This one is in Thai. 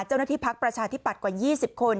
เจ้าหน้าที่พักประชาทิบัติกว่า๒๐คน